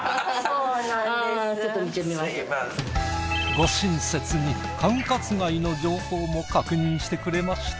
ご親切に管轄外の情報も確認してくれました。